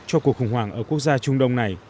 cho cuộc khủng hoảng ở quốc gia trung đông này